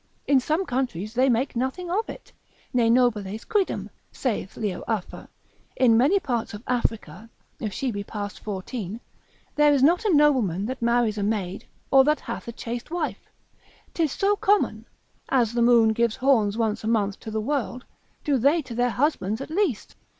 In some countries they make nothing of it, ne nobiles quidem, saith Leo Afer, in many parts of Africa (if she be past fourteen) there's not a nobleman that marries a maid, or that hath a chaste wife; 'tis so common; as the moon gives horns once a month to the world, do they to their husbands at least.